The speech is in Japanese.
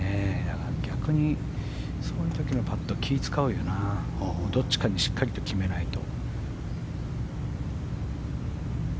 逆にそういう時のパット気を使うよな、どっちかにしっかりと決めないと。